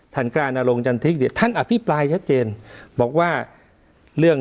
ท่านกราศนาลงจันทริกท่านอภิปรายชัดเจนบอกว่าเรื่อง